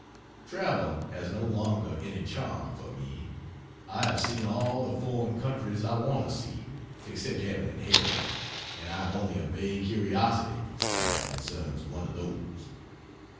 Travel has no longer, any charm for me. I have seen all the foreign countries I want to see except heaven and hell, and I have only a vague curiosity as concerns one of those.